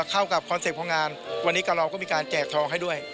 เข้ากับคอนเซ็ปต์ของงานวันนี้กับเราก็มีการแจกทองให้ด้วย